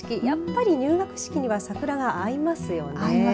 やっぱり入学式には桜が合いますよね。